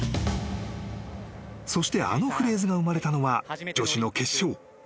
［そしてあのフレーズが生まれたのは女子の決勝］